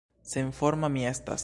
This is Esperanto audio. Senforma mi estas!